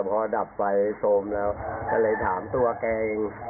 พอดับไฟทรงแล้วอาการเลยถามตัวแกไง